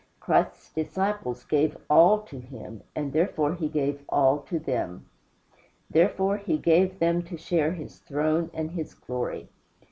Christ's disciples gave ALL to him, and therefore he gave ALL to them. Therefore he gave them to share his throne and his glory.